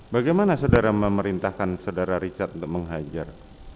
bagaimana saudara memerintahkan saudara richard untuk menghajar